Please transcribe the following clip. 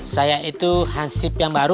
saya itu hansip yang baru